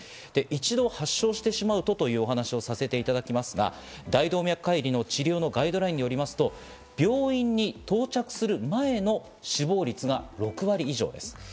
一度発症してしまうとというお話をさせていただきますが、大動脈解離の治療のガイドラインによりますと、病院に到着する前の死亡率が６割以上です。